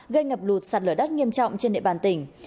gây ngập lụt sạt lở đất nghiêm trọng trên địa bàn tỉnh